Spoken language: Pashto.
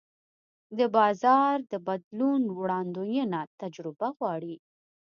د بازار د بدلون وړاندوینه تجربه غواړي.